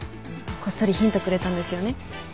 こっそりヒントくれたんですよね？